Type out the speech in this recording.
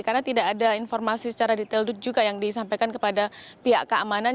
karena tidak ada informasi secara detail juga yang disampaikan kepada pihak keamanan